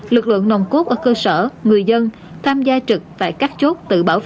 lực lượng nồng cốt ở cơ sở người dân tham gia trực tại các chốt tự bảo vệ